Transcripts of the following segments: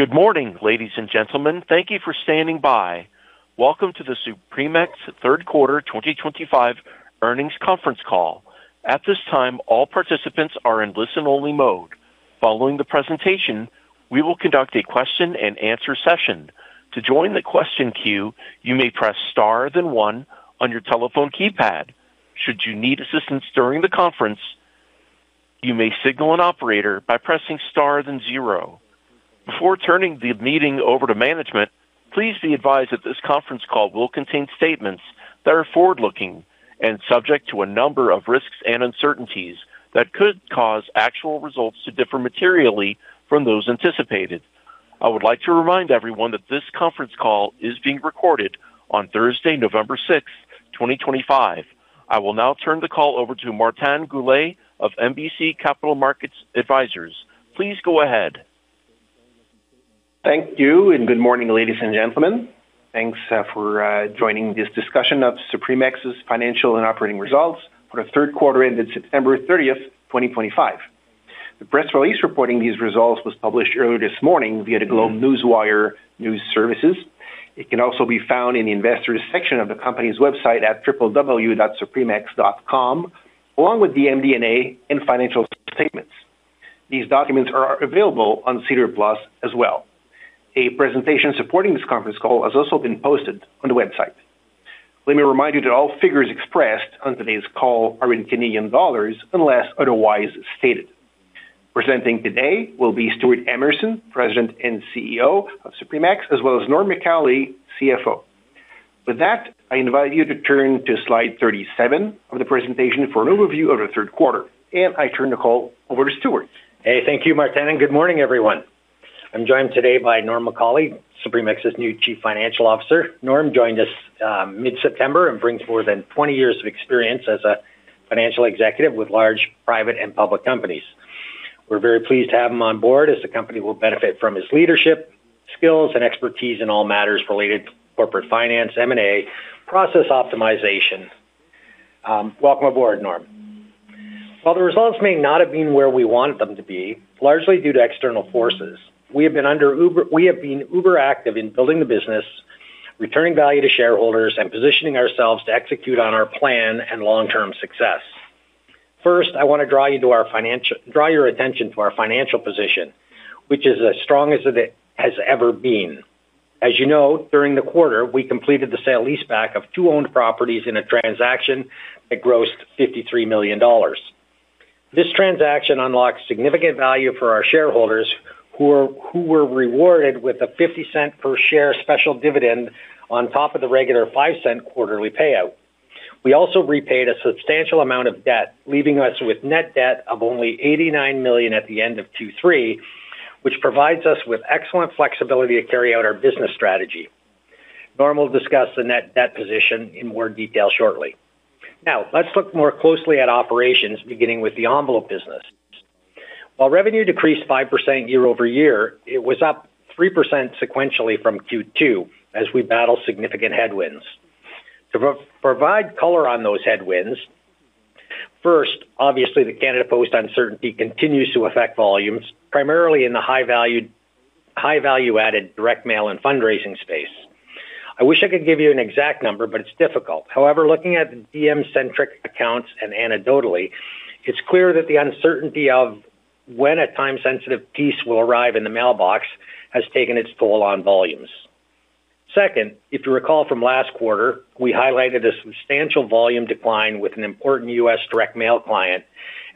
Good morning, ladies and gentlemen. Thank you for standing by. Welcome to the SupremeX Third Quarter 2025 Earnings Conference Call. At this time, all participants are in listen-only mode. Following the presentation, we will conduct a question-and-answer session. To join the question queue, you may press star then one on your telephone keypad. Should you need assistance during the conference, you may signal an operator by pressing star then zero. Before turning the meeting over to management, please be advised that this conference call will contain statements that are forward-looking and subject to a number of risks and uncertainties that could cause actual results to differ materially from those anticipated. I would like to remind everyone that this conference call is being recorded on Thursday, November 6th, 2025. I will now turn the call over to Martin Goulet of MBC Capital Markets Advisors. Please go ahead. Thank you, and good morning, ladies and gentlemen. Thanks for joining this discussion of SupremeX's Financial and Operating Results for the Third Quarter ended September 30th, 2025. The press release reporting these results was published earlier this morning via the GlobeNewswire News Services. It can also be found in the investors' section of the company's website at www.SupremeX.com, along with the MD&A and financial statements. These documents are available on SEDAR+ as well. A presentation supporting this conference call has also been posted on the website. Let me remind you that all figures expressed on today's call are in CAD unless otherwise stated. Presenting today will be Stewart Emerson, President and CEO of SupremeX, as well as Norm MacAuley, CFO. With that, I invite you to turn to slide 37 of the presentation for an overview of the 3rd quarter, and I turn the call over to Stewart. Hey, thank you, Martin. Good morning, everyone. I'm joined today by Norm MacAuley, SupremeX's new Chief Financial Officer. Norm joined us mid-September and brings more than 20 years of experience as a financial executive with large private and public companies. We're very pleased to have him on board as the company will benefit from his leadership skills and expertise in all matters related to corporate finance, M&A, and process optimization. Welcome aboard, Norm. While the results may not have been where we wanted them to be, largely due to external forces, we have been uber-active in building the business, returning value to shareholders, and positioning ourselves to execute on our plan and long-term success. First, I want to draw your attention to our financial position, which is as strong as it has ever been. As you know, during the quarter, we completed the sale leaseback of two owned properties in a transaction that grossed 53 million dollars. This transaction unlocked significant value for our shareholders, who were rewarded with a 0.50 per share Special Dividend on top of the regular 0.05 Quarterly Payout. We also repaid a substantial amount of debt, leaving us with net debt of only 89 million at the end of Q3, which provides us with excellent flexibility to carry out our business strategy. Norm will discuss the net debt position in more detail shortly. Now, let's look more closely at operations, beginning with the envelope business. While revenue decreased 5% year-over-year, it was up 3% sequentially from Q2 as we battled significant headwinds. To provide color on those headwinds. First, obviously, the Canada Post uncertainty continues to affect volumes, primarily in the high-value. Added direct mail and fundraising space. I wish I could give you an exact number, but it's difficult. However, looking at the DM-centric accounts and anecdotally, it's clear that the uncertainty of when a time-sensitive piece will arrive in the mailbox has taken its toll on volumes. Second, if you recall from last quarter, we highlighted a substantial volume decline with an important U.S. direct mail client,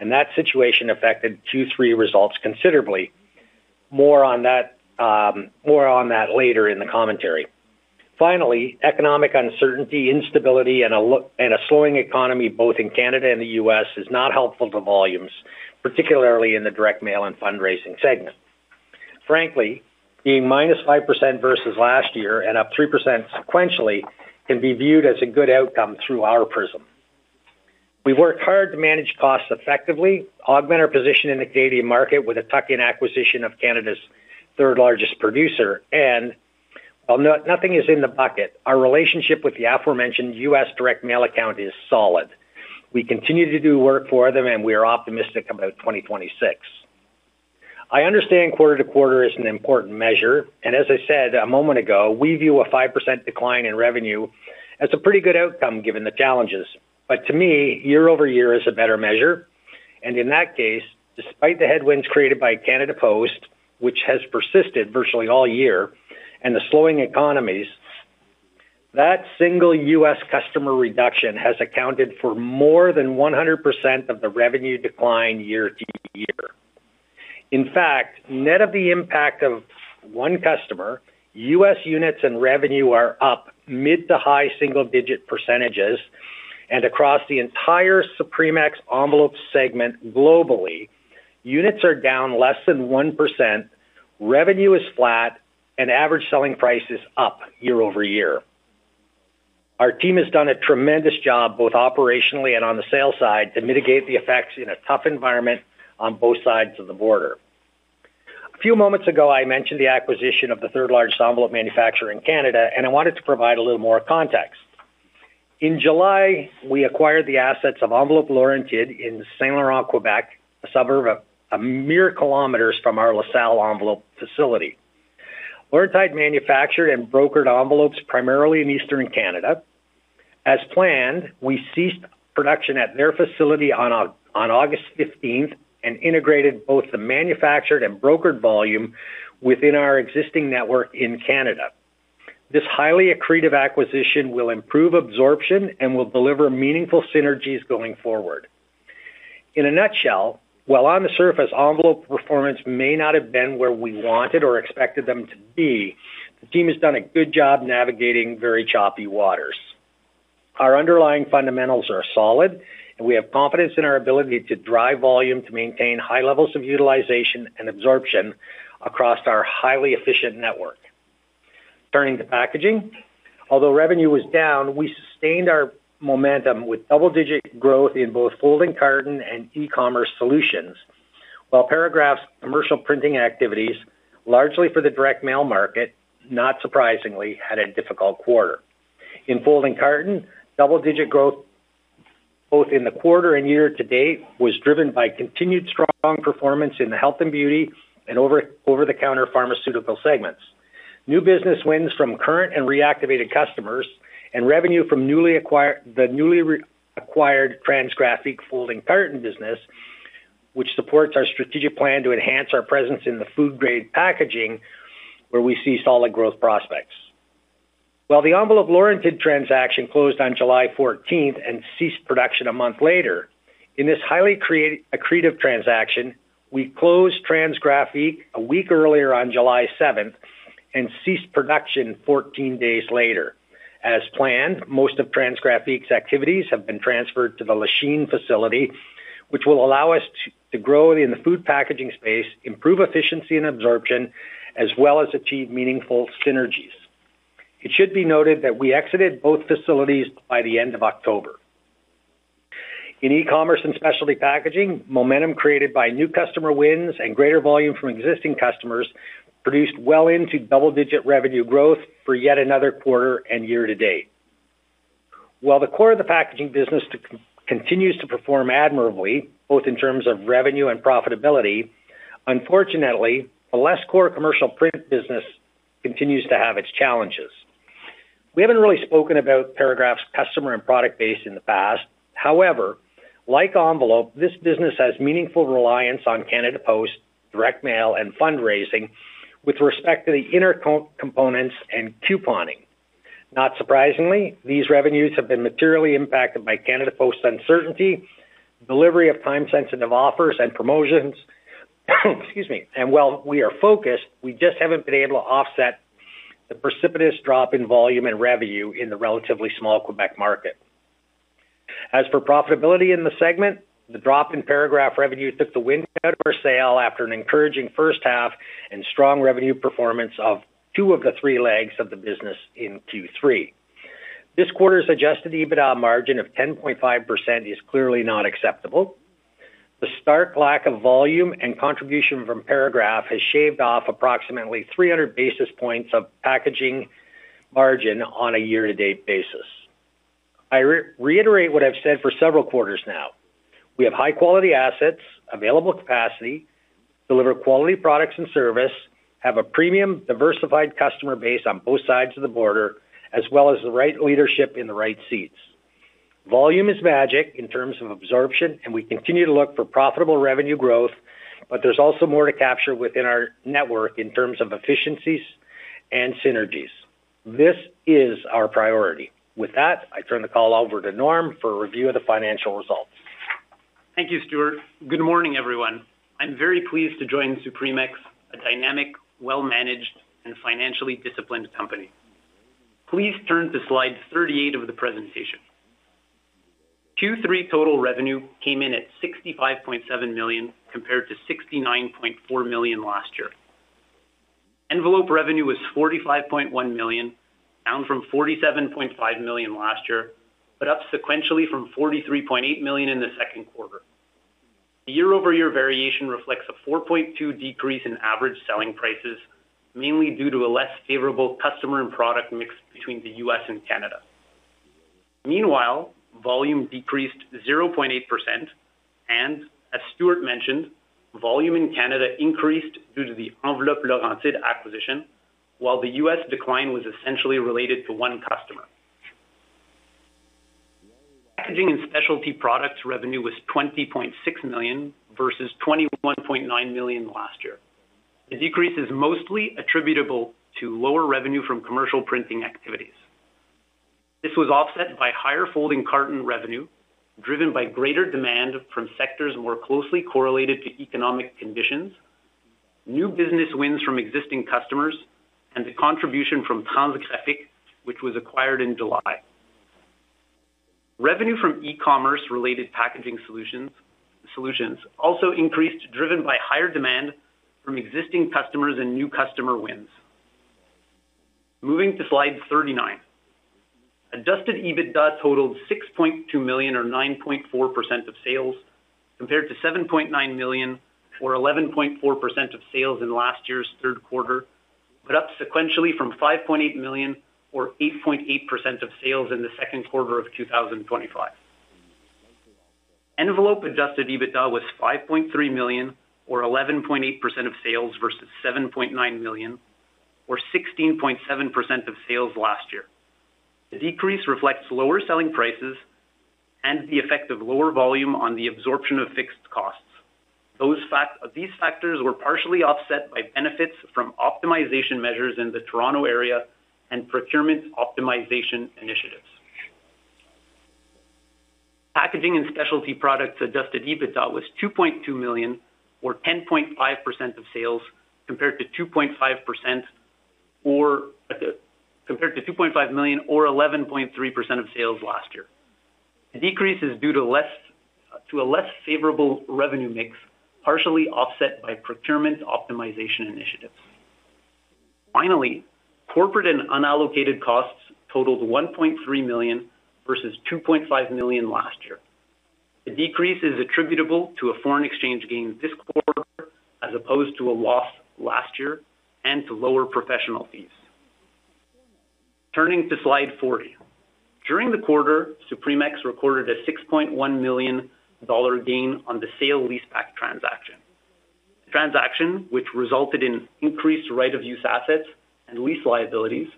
and that situation affected Q3 results considerably. More on that. Later in the commentary. Finally, economic uncertainty, instability, and a slowing economy both in Canada and the U.S. is not helpful to volumes, particularly in the direct mail and fundraising segment. Frankly, being -5% versus last year and up 3% sequentially can be viewed as a good outcome through our prism. We've worked hard to manage costs effectively, augment our position in the Canadian market with a tuck-in acquisition of Canada's 3rd-largest producer, and. While nothing is in the bucket, our relationship with the aforementioned U.S. direct mail account is solid. We continue to do work for them, and we are optimistic about 2026. I understand quarter-to-quarter is an important measure, and as I said a moment ago, we view a 5% decline in revenue as a pretty good outcome given the challenges. To me, year-over-year is a better measure, and in that case, despite the headwinds created by Canada Post, which has persisted virtually all year, and the slowing economies. That single U.S. customer reduction has accounted for more than 100% of the revenue decline year to year. In fact, net of the impact of one customer, U.S. Units and revenue are up mid to high single-digit percentages, and across the entire SupremeX envelope segment globally, units are down less than 1%. Revenue is flat, and average selling price is up year-over-year. Our team has done a tremendous job both operationally and on the sales side to mitigate the effects in a tough environment on both sides of the border. A few moments ago, I mentioned the acquisition of the 3rd-largest envelope manufacturer in Canada, and I wanted to provide a little more context. In July, we acquired the assets of Enveloppe Laurentide in Saint-Laurent, Quebec, a suburb a mere km from our LaSalle Envelope Facility. Laurentide manufactured and brokered envelopes primarily in eastern Canada. As planned, we ceased production at their facility on August 15th and integrated both the manufactured and brokered volume within our existing network in Canada. This highly accretive acquisition will improve absorption and will deliver meaningful synergies going forward. In a nutshell, while on the surface, envelope performance may not have been where we wanted or expected them to be, the team has done a good job navigating very choppy waters. Our underlying fundamentals are solid, and we have confidence in our ability to drive volume to maintain high levels of utilization and absorption across our highly efficient network. Turning to packaging, although revenue was down, we sustained our momentum with double-digit growth in both Folding Carton and E-commerce Solutions, while Paragraph's Commercial Printing activities, largely for the direct mail market, not surprisingly, had a difficult quarter. In Folding Carton, double-digit growth both in the quarter and year to date was driven by continued strong performance in the health and beauty and Over-the-ounter Pharmaceutical Segments. New business wins from current and reactivated customers and revenue from the newly acquired Transgraphic Folding Carton Business, which supports our strategic plan to enhance our presence in the Food-grade Packaging, where we see solid growth prospects. While the Enveloppe Laurentide Transaction closed on July 14 and ceased production a month later, in this highly accretive transaction, we closed Transgraphic a week earlier on July 7 and ceased production 14 days later. As planned, most of Transgraphic's activities have been transferred to the Lachine Facility, which will allow us to grow in the Food Packaging Space, improve efficiency and absorption, as well as achieve meaningful synergies. It should be noted that we exited both facilities by the end of October. In E-commerce and Specialty Packaging, momentum created by new customer wins and greater volume from existing customers produced well into double-digit revenue growth for yet another quarter and year to date. While the core of the packaging business continues to perform admirably, both in terms of revenue and profitability, unfortunately, the less core commercial Print Business continues to have its challenges. We haven't really spoken about Paragraph's customer and product base in the past. However, like Envelope, this business has meaningful reliance on Canada Post, direct mail, and fundraising with respect to the inner components and couponing. Not surprisingly, these revenues have been materially impacted by Canada Post's uncertainty, delivery of time-sensitive offers and promotions. Excuse me. While we are focused, we just haven't been able to offset the precipitous drop in volume and revenue in the relatively small Quebec market. As for profitability in the segment, the drop in Paragraph revenue took the wind out of our sail after an encouraging 1st half and strong revenue performance of two of the three legs of the business in Q3. This quarter's adjusted EBITDA margin of 10.5% is clearly not acceptable. The stark lack of volume and contribution from Paragraph has shaved off approximately 300 basis points of packaging margin on a year-to-date basis. I reiterate what I've said for several quarters now. We have high-quality assets, available capacity, deliver quality products and service, have a premium diversified customer base on both sides of the border, as well as the right leadership in the right seats. Volume is magic in terms of absorption, and we continue to look for profitable revenue growth, but there's also more to capture within our network in terms of efficiencies and synergies. This is our priority. With that, I turn the call over to Norm for a review of the financial results. Thank you, Stewart. Good morning, everyone. I'm very pleased to join SupremeX, a dynamic, well-managed, and financially disciplined company. Please turn to slide 38 of the presentation. Q3 total revenue came in at 65.7 million compared to 69.4 million last year. Envelope revenue was 45.1 million, down from 47.5 million last year, but up sequentially from 43.8 million in the 2nd quarter. The year-over-year variation reflects a 4.2% decrease in average selling prices, mainly due to a less favorable customer and product mix between the U.S. and Canada. Meanwhile, volume decreased 0.8%, and as Stewart mentioned, volume in Canada increased due to the Enveloppe Laurentide acquisition, while the U.S. decline was essentially related to one customer. Packaging and specialty products revenue was 20.6 million versus 21.9 million last year. The decrease is mostly attributable to lower revenue from Commercial Printing activities. This was offset by higher Folding Carton revenue driven by greater demand from sectors more closely correlated to economic conditions, new business wins from existing customers, and the contribution from Transgraphic, which was acquired in July. Revenue from E-commerce-related packaging solutions also increased, driven by higher demand from existing customers and new customer wins. Moving to slide 39. Adjusted EBITDA totaled 6.2 million, or 9.4% of sales, compared to 7.9 million, or 11.4% of sales in last year's 3rd quarter, but up sequentially from 5.8 million, or 8.8% of sales in the 2nd quarter of 2025. Envelope-adjusted EBITDA was 5.3 million, or 11.8% of sales versus 7.9 million, or 16.7% of sales last year. The decrease reflects lower selling prices and the effect of lower volume on the absorption of fixed costs. These factors were partially offset by benefits from optimization measures in the Toronto area and procurement optimization initiatives. Packaging and specialty products-adjusted EBITDA was 2.2 million, or 10.5% of sales, compared to 2.5 million, or 11.3% of sales last year. The decrease is due to a less favorable revenue mix, partially offset by procurement optimization initiatives. Finally, corporate and unallocated costs totaled 1.3 million versus 2.5 million last year. The decrease is attributable to a foreign exchange gain this quarter as opposed to a loss last year and to lower professional fees. Turning to slide 40. During the quarter, SupremeX recorded a 6.1 million dollar gain on the sale leaseback transaction. The transaction, which resulted in increased right-of-use assets and lease liabilities,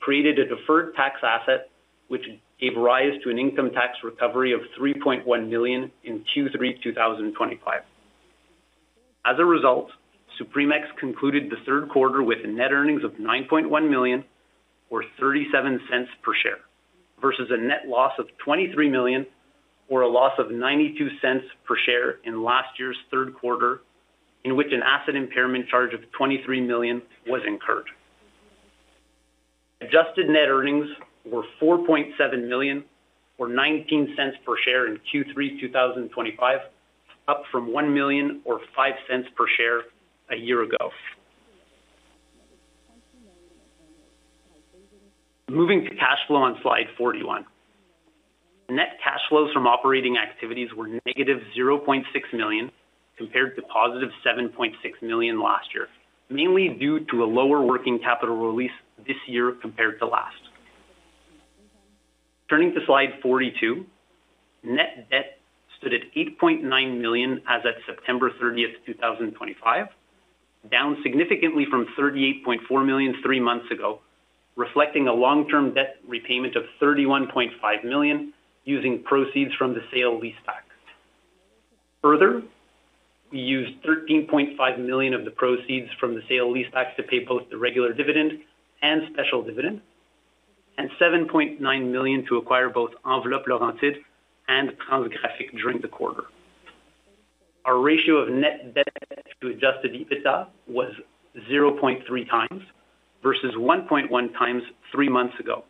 created a Deferred Tax Asset, which gave rise to an income tax recovery of 3.1 million in Q3 2025. As a result, SupremeX concluded the 3rd quarter with net earnings of 9.1 million, or 0.37 per share, versus a net loss of 23 million, or a loss of 0.92 per share in last year's 3rd quarter, in which an asset impairment charge of 23 million was incurred. Adjusted net earnings were 4.7 million, or 0.19 per share in Q3 2025, up from 1 million, or 0.05 per share, a year ago. Moving to cash flow on slide 41. Net cash flows from operating activities were -0.6 million compared to +7.6 million last year, mainly due to a lower working capital release this year compared to last. Turning to slide 42. Net debt stood at 8.9 million as of September 30, 2025. Down significantly from 38.4 million three months ago, reflecting a long-term debt repayment of 31.5 million using proceeds from the sale leaseback. Further, we used 13.5 million of the proceeds from the sale leaseback to pay both the regular dividend and special dividend, and 7.9 million to acquire both Enveloppe Laurentide and Transgraphic during the quarter. Our ratio of net debt to adjusted EBITDA was 0.3 times versus 1.1 times three months ago,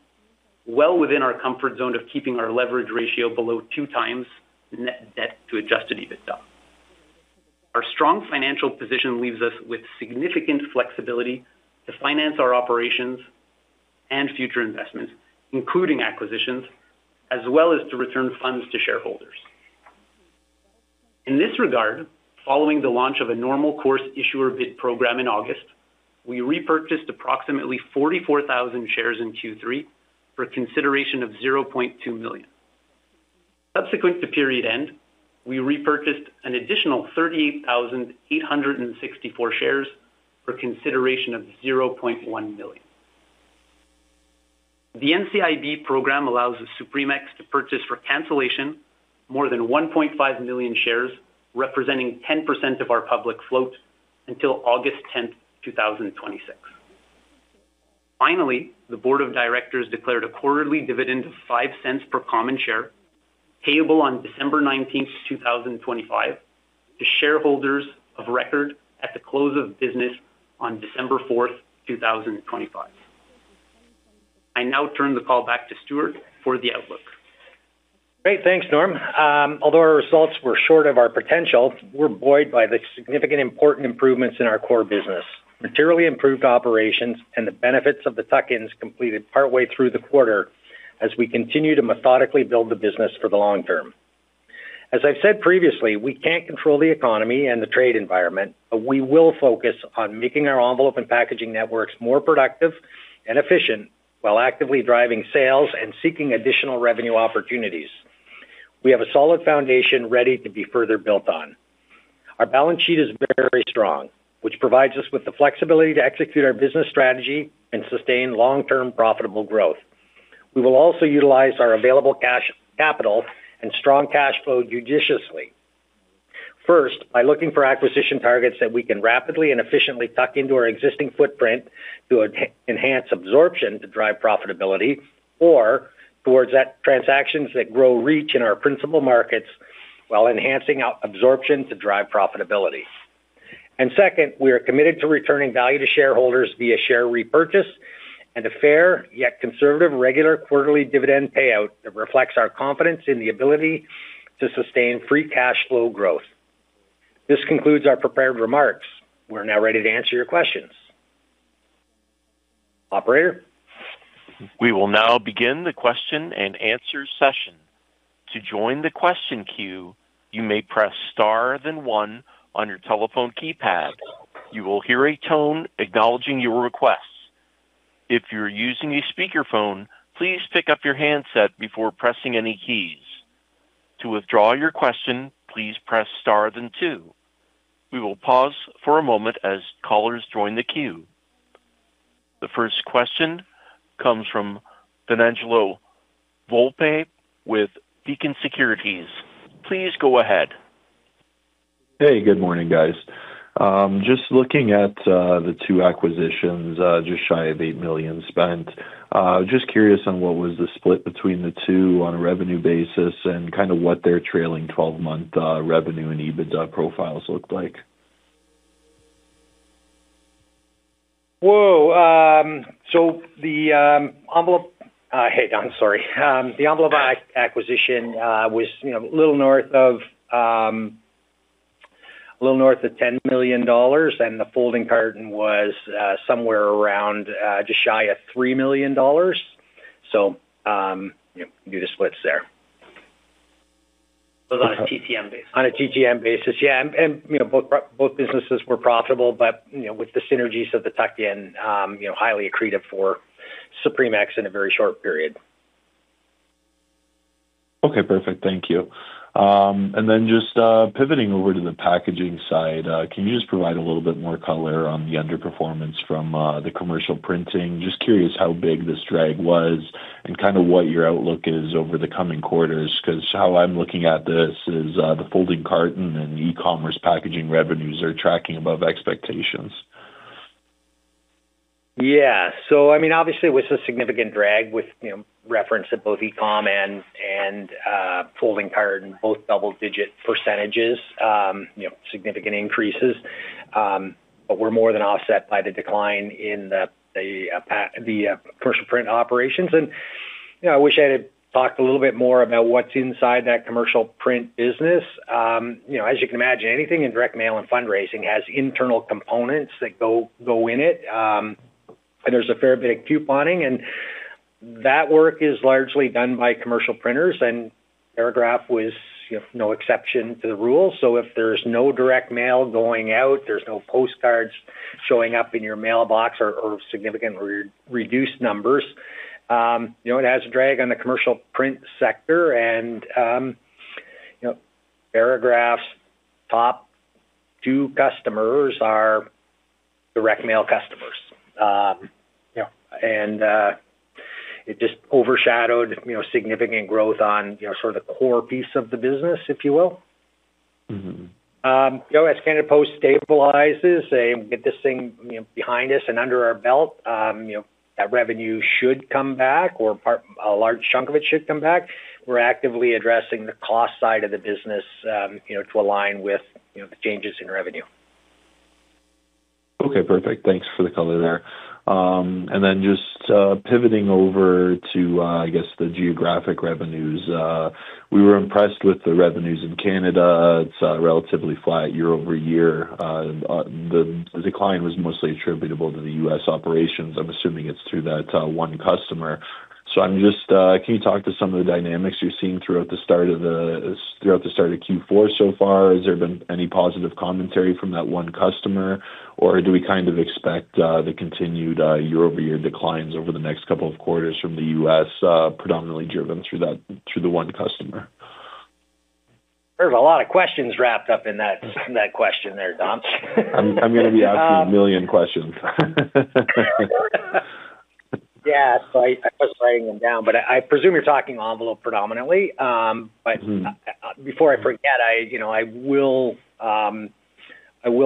well within our comfort zone of keeping our leverage ratio below 2 times net debt to adjusted EBITDA. Our strong financial position leaves us with significant flexibility to finance our operations and future investments, including acquisitions, as well as to return funds to shareholders. In this regard, following the launch of a normal course issuer bid program in August, we repurchased approximately 44,000 shares in Q3 for a consideration of 0.2 million. Subsequent to period end, we repurchased an additional 38,864 shares for a consideration of 0.1 million. The NCIB program allows SupremeX to purchase for cancellation more than 1.5 million shares, representing 10% of our public float until August 10th, 2026. Finally, the Board of Directors declared a quarterly dividend of 0.05 per common share payable on December 19, 2025, to shareholders of record at the close of business on December 4, 2025. I now turn the call back to Stewart for the outlook. Great. Thanks, Norm. Although our results were short of our potential, we're buoyed by the significant important improvements in our core business, materially improved operations, and the benefits of the tuck-ins completed partway through the quarter as we continue to methodically build the business for the long term. As I've said previously, we can't control the economy and the trade environment, but we will focus on making our envelope and packaging networks more productive and efficient while actively driving sales and seeking additional revenue opportunities. We have a solid foundation ready to be further built on. Our balance sheet is very strong, which provides us with the flexibility to execute our business strategy and sustain long-term profitable growth. We will also utilize our available cash capital and strong cash flow judiciously. First, by looking for acquisition targets that we can rapidly and efficiently tuck into our existing footprint to enhance absorption to drive profitability, or towards transactions that grow reach in our principal markets while enhancing absorption to drive profitability. Second, we are committed to returning value to shareholders via share repurchase and a fair yet conservative regular quarterly dividend payout that reflects our confidence in the ability to sustain free cash flow growth. This concludes our prepared remarks. We're now ready to answer your questions. Operator. We will now begin the question and answer session. To join the question queue, you may press star then one on your telephone keypad. You will hear a tone acknowledging your request. If you're using a speakerphone, please pick up your handset before pressing any keys. To withdraw your question, please press star then two. We will pause for a moment as callers join the queue. The first question comes from Donangelo Volpe with Beacon Securities. Please go ahead. Hey, good morning, guys. Just looking at the two acquisitions, just shy of 8 million spent. Just curious on what was the split between the two on a revenue basis and kind of what their trailing 12-month revenue and EBITDA profiles looked like. Whoa. The envelope—hey, I'm sorry. The envelope acquisition was a little north of 10 million dollar, and the Folding Carton was somewhere around just shy of 3 million dollars. We do the splits there. Those on a TTM basis. On a TTM basis, yeah. Both businesses were profitable, but with the synergies of the tuck-in, highly accretive for SupremeX in a very short period. Okay. Perfect. Thank you. Then just pivoting over to the packaging side, can you just provide a little bit more color on the underperformance from the Commercial Printing? Just curious how big this drag was and kind of what your outlook is over the coming quarters because how I'm looking at this is the Folding Carton and E-commerce Packaging revenues are tracking above expectations. Yeah. I mean, obviously, it was a significant drag with reference to both E-com and Folding Carton, both double-digit percentages, significant increases. They were more than offset by the decline in the commercial print operations. I wish I had talked a little bit more about what's inside that commercial print business. As you can imagine, anything in direct mail and fundraising has internal components that go in it. There is a fair bit of couponing, and that work is largely done by commercial printers, and Paragraph was no exception to the rule. If there is no direct mail going out, there are no postcards showing up in your mailbox or significantly reduced numbers. It has a drag on the commercial print sector. Paragraph's top two customers are direct mail customers. It just overshadowed significant growth on sort of the core piece of the business, if you will. As Canada Post stabilizes and we get this thing behind us and under our belt, that revenue should come back, or a large chunk of it should come back. We're actively addressing the cost side of the business to align with the changes in revenue. Okay. Perfect. Thanks for the color there. Just pivoting over to, I guess, the geographic revenues. We were impressed with the revenues in Canada. It is relatively flat year-over-year. The decline was mostly attributable to the U.S. operations. I'm assuming it is through that one customer. Can you talk to some of the dynamics you are seeing throughout the start of Q4 so far? Has there been any positive commentary from that one customer, or do we kind of expect the continued year-over-year declines over the next couple of quarters from the U.S., predominantly driven through the one customer? There's a lot of questions wrapped up in that question there, Donangelo. I'm going to be asking a million questions. Yeah. So I was writing them down, but I presume you're talking envelope predominantly. Before I forget, I will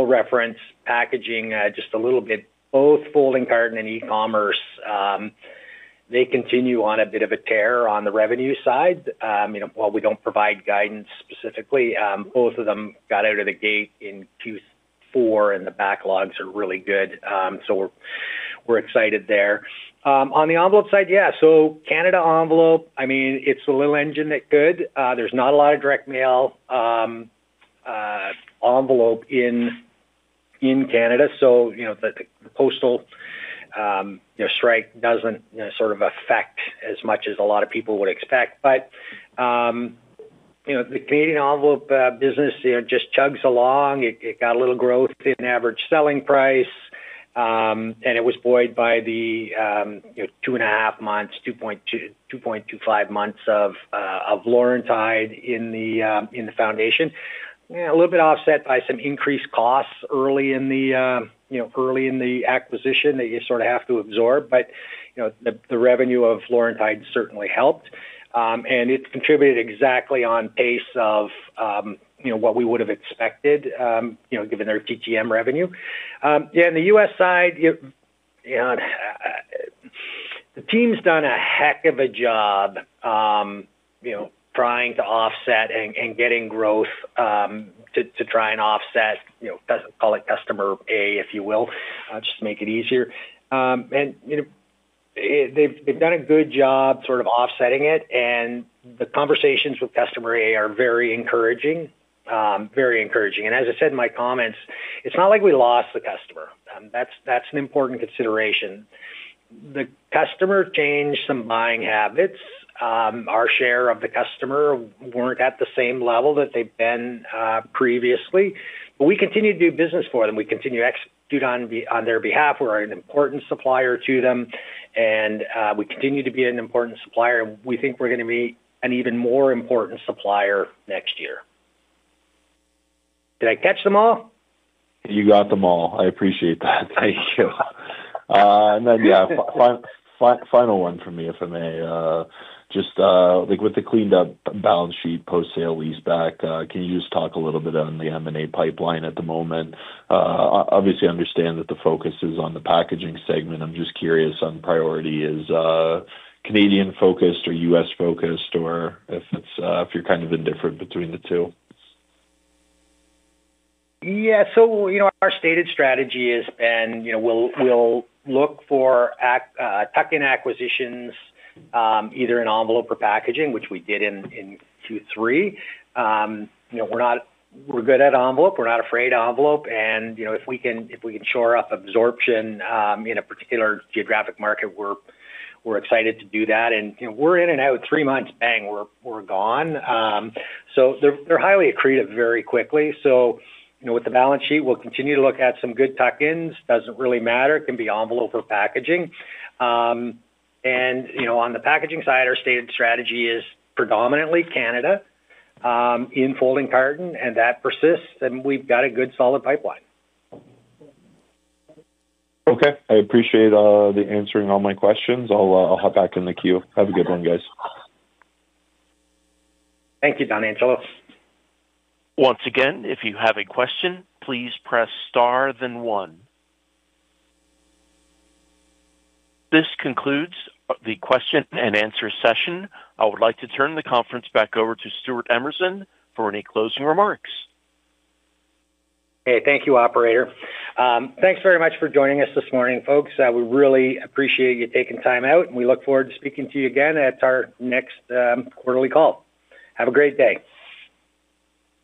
reference packaging just a little bit. Both Folding Carton and E-commerce, they continue on a bit of a tear on the revenue side. While we don't provide guidance specifically, both of them got out of the gate in Q4, and the backlogs are really good. We are excited there. On the envelope side, yeah. Canada envelope, I mean, it's a little engine that could. There's not a lot of direct mail envelope in Canada, so the postal strike doesn't sort of affect as much as a lot of people would expect. The Canadian envelope business just chugs along. It got a little growth in average selling price, and it was buoyed by the two and a half months, 2.25 months of Laurentide in the foundation. A little bit offset by some increased costs early in the acquisition that you sort of have to absorb. The revenue of Laurentide certainly helped. It contributed exactly on pace of what we would have expected, given their TTM revenue. On the U.S. side, the team's done a heck of a job trying to offset and getting growth to try and offset, call it customer A, if you will, just to make it easier. They've done a good job sort of offsetting it. The conversations with customer A are very encouraging. Very encouraging. As I said in my comments, it's not like we lost the customer. That's an important consideration. The customer changed some buying habits. Our share of the customer weren't at the same level that they've been previously, but we continue to do business for them. We continue to execute on their behalf. We are an important supplier to them. We continue to be an important supplier. We think we are going to be an even more important supplier next year. Did I catch them all? You got them all. I appreciate that. Thank you. Yeah. Final one for me, if I may. Just with the cleaned-up balance sheet, post-sale leaseback, can you just talk a little bit on the M&A pipeline at the moment? Obviously, I understand that the focus is on the packaging segment. I'm just curious on priority: is it Canadian-focused or U.S.-focused, or if you're kind of indifferent between the two? Yeah. Our stated strategy has been we'll look for tuck-in acquisitions, either in envelope or packaging, which we did in Q3. We're good at envelope. We're not afraid of envelope. If we can shore up absorption in a particular geographic market, we're excited to do that. We're in and out three months, bang, we're gone. They're highly accretive very quickly. With the balance sheet, we'll continue to look at some good tuck-ins. Doesn't really matter. It can be envelope or packaging. On the packaging side, our stated strategy is predominantly Canada, in Folding Carton, and that persists. We've got a good solid pipeline. Okay. I appreciate the answering all my questions. I'll hop back in the queue. Have a good one, guys. Thank you, Donangelo. Once again, if you have a question, please press star then one. This concludes the question and answer session. I would like to turn the conference back over to Stewart Emerson for any closing remarks. Hey, thank you, Operator. Thanks very much for joining us this morning, folks. We really appreciate you taking time out. We look forward to speaking to you again at our next quarterly call. Have a great day.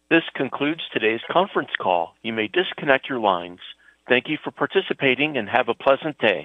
This concludes today's conference call. You may disconnect your lines. Thank you for participating and have a pleasant day.